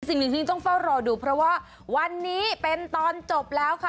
สิ่งหนึ่งที่ต้องเฝ้ารอดูเพราะว่าวันนี้เป็นตอนจบแล้วค่ะ